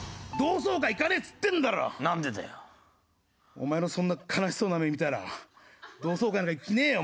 お前のそんな悲しそうな目見たら同窓会なんか行く気ねえよ